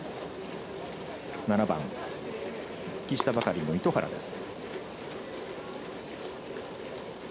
７番、復帰したばかりの糸原です。